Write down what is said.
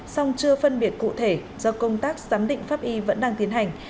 song chưa phân biệt cụ thể do công tác giám định pháp y vẫn đang tiến hành